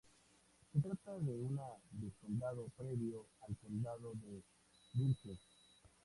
Se trata de un vizcondado previo al condado de Vilches.